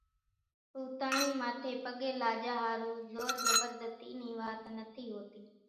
ھوتاۿڻي ماٿي پڳين لاڄا ۿارُو زور زڀردتي نِي وات نٿي ھوتي